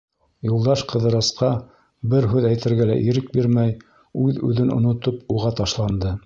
Юлдаш Ҡыҙырасҡа бер һүҙ әйтергә лә ирек бирмәй, үҙ-үҙен онотоп, уға ташланды.